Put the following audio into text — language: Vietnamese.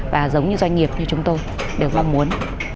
và giống như doanh nghiệp như chúng tôi đều mong muốn